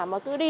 mà cứ đi